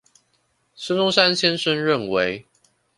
孫中山先生認為